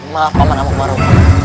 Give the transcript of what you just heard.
maaf paman amok baru